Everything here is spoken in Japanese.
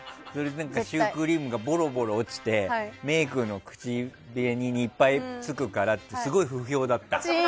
シュークリームがボロボロ落ちてメイクの時に口にいっぱいつくからってすごい不評だった。